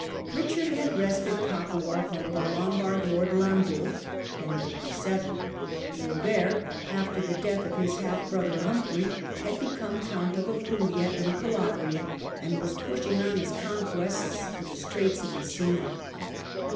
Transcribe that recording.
Richard had wrested Capua from the Lombard lord, Landulf (1057). Robert, after the death of his half brother, Humphrey, had become count of Apulia and Calabria, and was pushing on his conquests to the Straits of Messina.